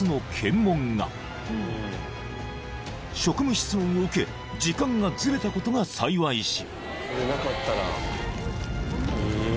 ［職務質問を受け時間がずれたことが幸いし］